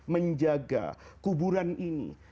menjaga kuburan ini